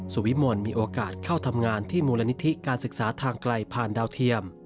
สุวิมลมีโอกาสเข้าทำงานที่มูลนิธิการศึกษาทางไกลผ่านดาวเทียม